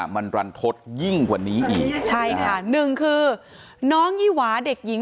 มันรันทศยิ่งกว่านี้อีกใช่ค่ะหนึ่งคือน้องยี่หวาเด็กหญิง